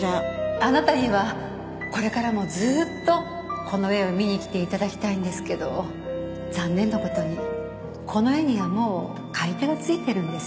あなたにはこれからもずっとこの絵を見にきていただきたいんですけど残念な事にこの絵にはもう買い手が付いてるんです。